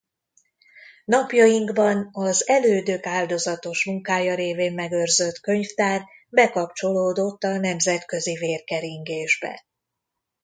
Napjainkban az elődök áldozatos munkája révén megőrzött könyvtár bekapcsolódott a nemzetközi vérkeringésbe.